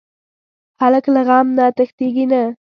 هلک له غم نه تښتېږي نه.